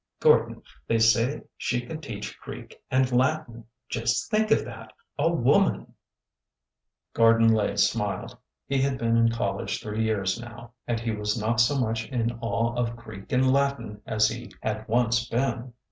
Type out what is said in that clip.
'' Gordon, they say she can teach Greek and Latin! Just think of that 1 A woman 1 " Gordon Lay smiled. He had been in college three years now, and he was not so much in awe of Greek and Latin as he had once been.